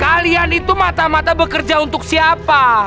kalian itu mata mata bekerja untuk siapa